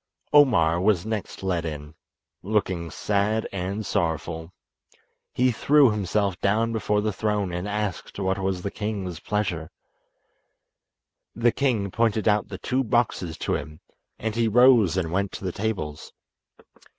Omar was next led in, looking sad and sorrowful. He threw himself down before the throne and asked what was the king's pleasure. The king pointed out the two boxes to him, and he rose and went to the tables.